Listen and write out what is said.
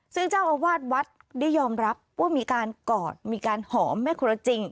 ซึ่งเจ้าอาวาสวัดได้ยอมรับว่ามีการกอดมีการหอมแม่ครัวจริง